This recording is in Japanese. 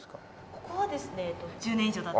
ここはですね１０年以上経って。